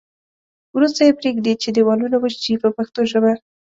وروسته یې پرېږدي چې دېوالونه وچ شي په پښتو ژبه.